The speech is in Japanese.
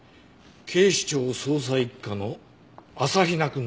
警視庁捜査一課の朝比奈くんだ。